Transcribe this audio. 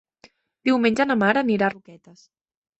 Diumenge na Mar anirà a Roquetes.